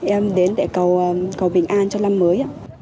em đến để cầu bình an cho năm mới